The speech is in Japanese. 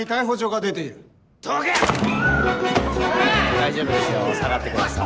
・大丈夫ですよ下がってください。